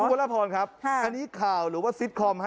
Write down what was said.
พระละพรครับอันนี้ข่าวหรือว่าซิตคอมฮะ